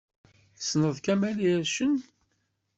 Tessneḍ Kamel Ircen?